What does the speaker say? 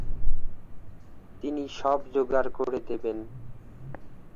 তিনি সব যোগাড় করে দেবেন।